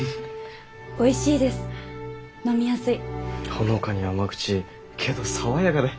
ほのかに甘口けど爽やかで。